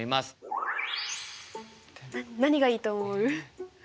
何がいいと思う？